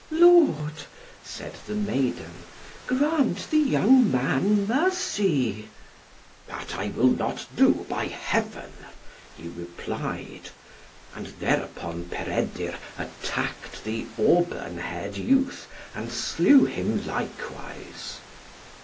"Lord," said the maiden, "grant the young man mercy." "That will I not do, by Heaven," he replied; and thereupon Peredur attacked the auburn haired youth, and slew him likewise.